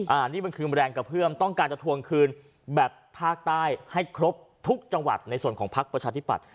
อันนี้มันคือแรงกระเพื่อมต้องการจะทวงคืนแบบภาคใต้ให้ครบทุกจังหวัดในส่วนของพักประชาธิปัตย